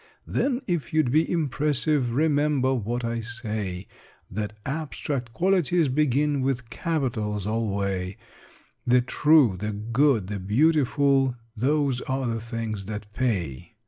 "Then, if you'd be impressive, Remember what I say, That abstract qualities begin With capitals alway: The True, the Good, the Beautiful Those are the things that pay!